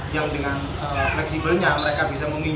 yang dengan fleksibelnya mereka bisa memiliki